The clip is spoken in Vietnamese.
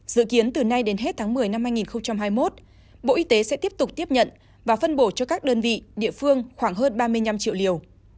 dự kiến từ nay đến hết tháng một mươi năm hai nghìn hai mươi một bộ y tế sẽ tiếp tục tiếp nhận và phân bổ cho các đơn vị địa phương khoảng hơn ba mươi năm triệu liều